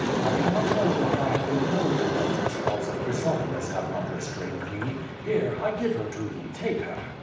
I cannot tell why I have been cold to her since thoughts of Chrysothemis have not restrained me. Here, I give her to thee; take her.